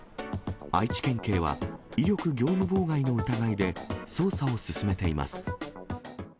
愛知県警は、威力業務妨害の疑いで捜査を進めています。